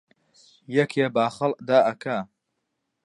یەکێ باخەڵ دائەکا